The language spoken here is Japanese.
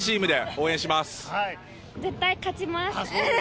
絶対勝ちます。